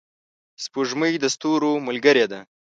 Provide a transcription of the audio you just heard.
سپوږمۍ د ستورو ملګرې ده.